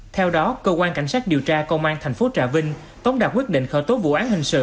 theo đó cơ quan cảnh sát điều tra công an thành phố trà vinh tống đạt quyết định khởi tố vụ án hình sự